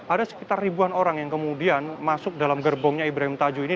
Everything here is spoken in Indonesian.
ada sekitar ribuan orang yang kemudian masuk dalam gerbongnya ibrahim tajuh ini